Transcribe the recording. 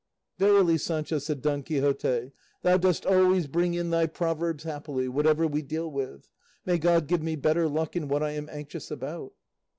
"Verily, Sancho," said Don Quixote, "thou dost always bring in thy proverbs happily, whatever we deal with; may God give me better luck in what I am anxious about."